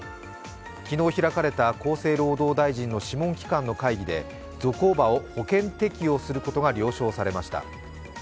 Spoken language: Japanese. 昨日、開かれた厚生労働大臣の諮問機関の会議でゾコーバを保険適用することが了承されました。